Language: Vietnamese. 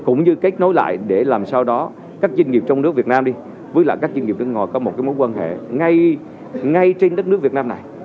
cũng như kết nối lại để làm sao đó các doanh nghiệp trong nước việt nam đi với lại các doanh nghiệp nước ngoài có một mối quan hệ ngay trên đất nước việt nam này